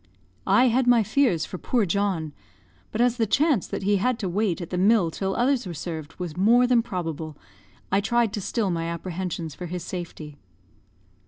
I had my fears for poor John; but as the chance that he had to wait at the mill till others were served was more than probable, I tried to still my apprehensions for his safety.